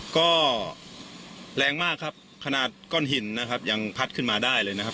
ก็แรงมากครับขนาดก้อนหินนะครับยังพัดขึ้นมาได้เลยนะครับ